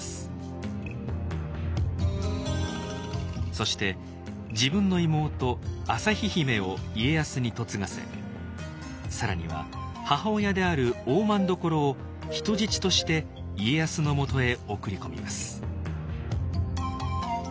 そして自分の妹朝日姫を家康に嫁がせ更には母親である大政所を人質として家康のもとへ送り込みます。